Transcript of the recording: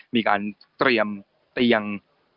มีการเตรียมเตียง